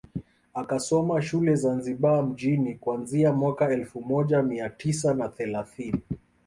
Akasoma shule Zanzibar mjini kuanzia mwaka elfu moja mia tisa na thelathini